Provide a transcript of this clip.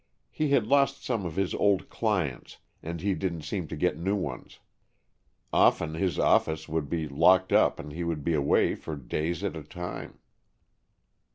He had lost some of his old clients, and he didn't seem to get new ones. Often his office would be locked up and he would be away for days at a time."